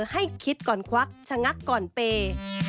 ให้คิดก่อนควักชะงักก่อนเปย์